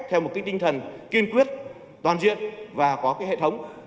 theo một cái tinh thần kiên quyết toàn diện và có hệ thống